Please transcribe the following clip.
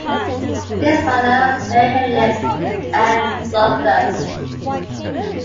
His mother was Mary Harriet Anne Loftus.